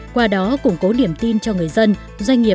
qua đó củng cố niềm tin cho người dân doanh nghiệp